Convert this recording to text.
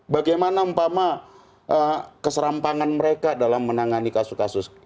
bagaimana umpama keserampangan mereka dalam menangani kasus kasus